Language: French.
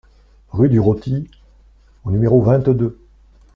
Rue du Roty au numéro vingt-deux